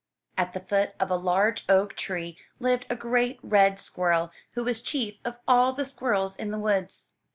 At the foot of a large oak tree lived a great red squirrel, who was chief of all the squirrels in the woods.